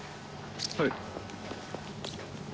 はい。